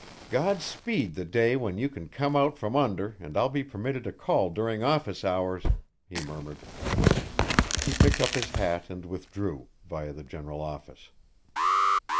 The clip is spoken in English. "God speed the day when you can come out from under and I'll be permitted to call during office hours," he murmured. He picked up his hat and withdrew, via the general office.